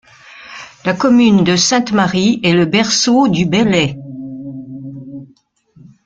La commune de Sainte-Marie est le berceau du Bèlè.